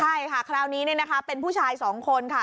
ใช่ค่ะคราวนี้เนี่ยนะคะเป็นผู้ชายสองคนค่ะ